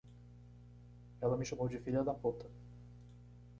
Ela me chamou de filha da puta.